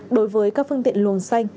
đối với các phương tiện luồng xanh